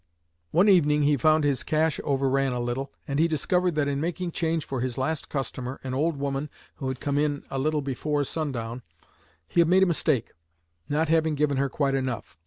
One evening he found his cash overran a little, and he discovered that in making change for his last customer, an old woman who had come in a little before sundown, he had made a mistake, not having given her quite enough.